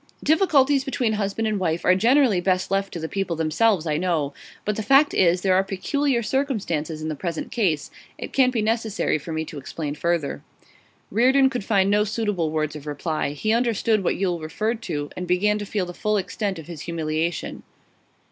'Difficulties between husband and wife are generally best left to the people themselves, I know. But the fact is, there are peculiar circumstances in the present case. It can't be necessary for me to explain further.' Reardon could find no suitable words of reply. He understood what Yule referred to, and began to feel the full extent of his humiliation.